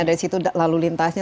dari situ lalu lintasnya